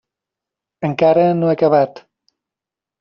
Encara no he acabat.